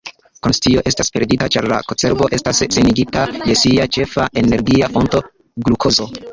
Konscio estas perdita ĉar la cerbo estas senigita je sia ĉefa energia fonto, glukozo.